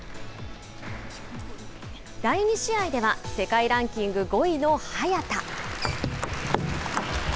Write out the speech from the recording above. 第２試合では、世界ランキング５位の早田。